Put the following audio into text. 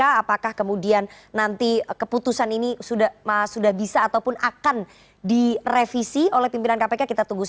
apakah kemudian nanti keputusan ini sudah bisa ataupun akan direvisi oleh pimpinan kpk kita tunggu saja